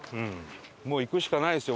もう行くしかないですよ